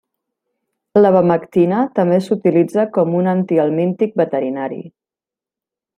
L'abamectina també s'utilitza com un antihelmíntic veterinari.